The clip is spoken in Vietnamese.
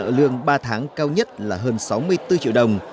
ở lương ba tháng cao nhất là hơn sáu mươi bốn triệu đồng